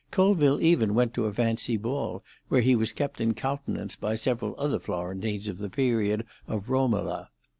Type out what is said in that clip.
Colville even went to a fancy ball, where he was kept in countenance by several other Florentines of the period of Romola.